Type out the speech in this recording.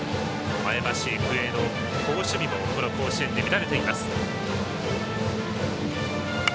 前橋育英の好守備もこの甲子園で見られています。